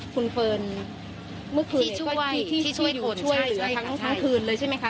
คุณเฟิร์นเมื่อคืนที่ช่วยโทรช่วยเหลือทั้งคืนเลยใช่ไหมคะ